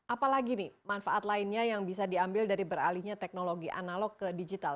apalagi nih manfaat lainnya yang bisa diambil dari beralihnya teknologi analog ke digital